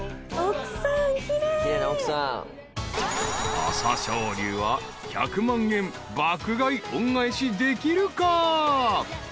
［朝青龍は１００万円爆買い恩返しできるか？］